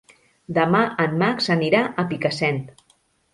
Demà en Max anirà a Picassent.